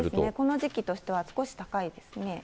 この時期としては少し高いですね。